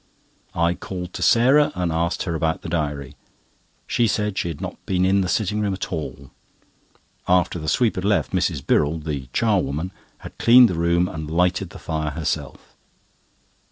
I called to Sarah, and asked her about the diary. She said she had not been in the sitting room at all; after the sweep had left, Mrs. Birrell (the charwoman) had cleaned the room and lighted the fire herself.